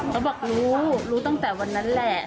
เขาบอกรู้รู้ตั้งแต่วันนั้นแหละ